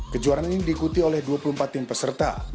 kejuaraan ini diikuti oleh dua puluh empat tim peserta